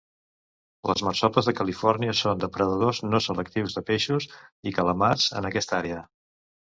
Les marsopes de Califòrnia són depredadors no selectius de peixos i calamars en aquesta àrea.